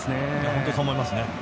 本当にそう思います。